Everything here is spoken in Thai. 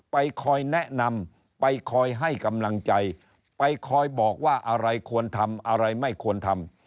ไปคอยแนะนำไปคอยให้กำลังใจไปคอยบอกว่าอะไรควรทำอะไรไม่ควรทำ